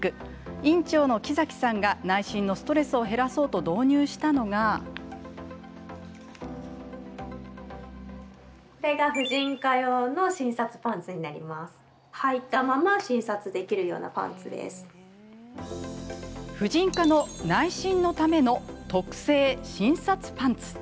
院長の木崎さんが内診のストレスを減らそうと導入したのが婦人科の内診のための特製診察パンツ。